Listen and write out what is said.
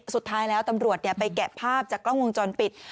สุดท้ายแล้วตำรวจไปแกะภาพจากกล้องวงจรปิด